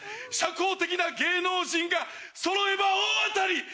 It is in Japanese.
社交的な芸能人がそろえば大当たり！